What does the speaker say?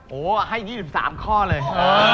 โอ้โหให้๒๓ข้อเลย